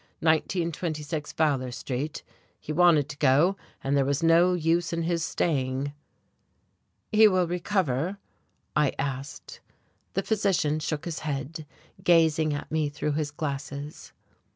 Nineteen twenty six Fowler Street. He wanted to go, and there was no use in his staying." "He will recover?" I asked. The physician shook his head, gazing at me through his glasses.